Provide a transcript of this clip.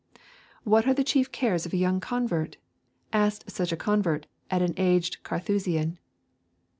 'What are the chief cares of a young convert?' asked such a convert at an aged Carthusian.